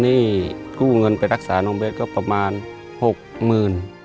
ผมก็กูเงินไปรักษาน้องเบสขึ้นประมาณ๖มื้น